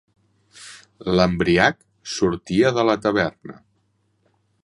L'embriac sortia de la taverna.